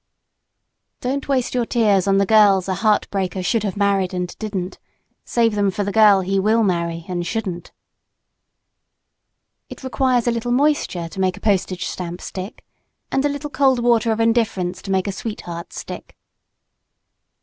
Don't waste your tears on the girls a heart breaker should have married and didn't; save them for the girl he will marry and shouldn't. It requires a little moisture to make a postage stamp stick and a little cold water of indifference to make a sweetheart stick.